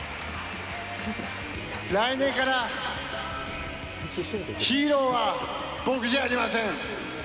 来年からヒーローは僕じゃありません。